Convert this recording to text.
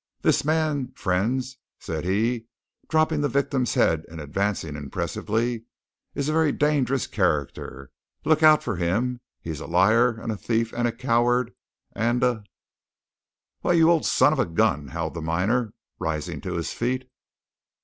This man, fren's," said he, dropping the victim's head and advancing impressively, "is a very dangerous character. Look out for 'm. He's a liar, an' a thief, an' a coward, an' a " "Well, you old son of a gun!" howled the miner, rising to his feet.